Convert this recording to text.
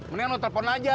mendingan lo telepon aja